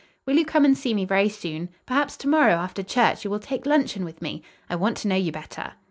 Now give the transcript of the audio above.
Will you come and see me very soon? Perhaps to morrow after church you will take luncheon with me? I want to know you better."